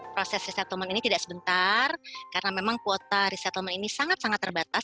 proses resettlement ini tidak sebentar karena memang kuota resettlement ini sangat sangat terbatas